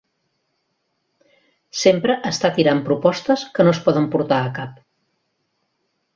Sempre està tirant propostes que no es poden portar a cap.